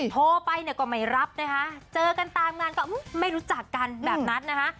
โทรไปเนี่ยก็ไม่รับนะคะเจอกันตามงานก็ไม่รู้จักกันแบบนั้นนะคะ